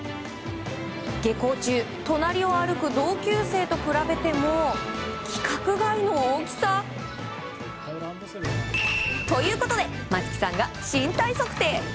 下校中隣を歩く同級生と比べても規格外の大きさ！ということで松木さんが身体測定。